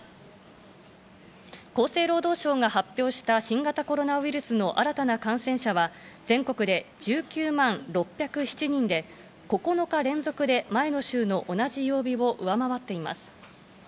厚生労働省が発表した新型コロナウイルスの新たな感染者は、全国で１９万６０７人で、９日連続で前の週の同じ曜日を上回っています。